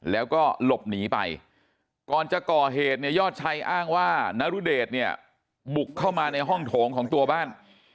แล้วก็หลบหนีไปก่อนจะก่อเหตุเนี่ยยอดชัยอ้างว่านรุเดชเนี่ยบุกเข้ามาในห้องโถงของตัวบ้าน